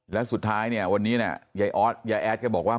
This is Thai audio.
และสุดท้ายวันนี้ยายอ๊อสยายแอ๊ดก็บอกว่า